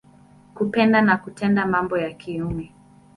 Kupenda na kutenda mambo ya kiume.